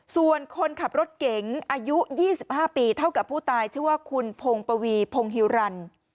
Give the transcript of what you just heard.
ส่วนคนขับรถเก๋งอายุ๒๕ปีเท่ากับผู้ตายชื่อว่าคุณพงปวีพงฮิวรรณ